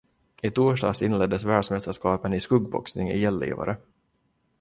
I torsdags inleddes världsmästerskapen i skuggboxning i Gällivare.